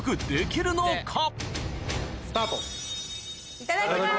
いただきます。